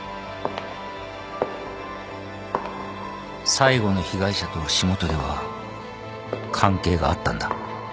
最後の被害者と霜鳥は関係があったんだ。